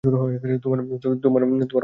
তোমার মাথায় আরাম লাগবে।